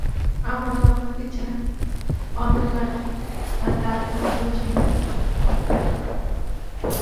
আমার ও আমাকে ছাড়া অন্য কারো তার কোন প্রয়োজন নেই।